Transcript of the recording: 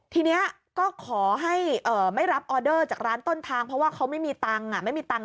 ทีนี้ก็ขอให้ไม่รับออเดอร์จากร้านต้นทางเพราะว่าเขาไม่มีตังค์ไม่มีตังค์